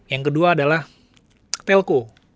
yang kedua adalah telco